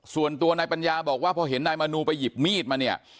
ส่วนตัวนายปัญญาบอกว่าพอเห็นนายมนูไปหยิบมีดมาเนี่ย